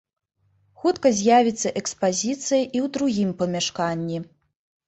Хутка з'явіцца экспазіцыя і ў другім памяшканні.